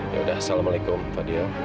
yaudah assalamualaikum fadil